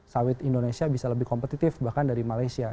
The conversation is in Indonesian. sawit indonesia bisa lebih kompetitif bahkan dari malaysia